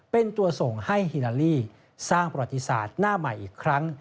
เป็นตัวส่งให้ฮิลาลีสร้างประวัติศาสตร์หน้าใหม่อีกครั้ง